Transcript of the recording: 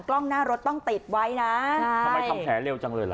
กล้องหน้ารถต้องติดไว้นะทำไมทำแผลเร็วจังเลยล่ะ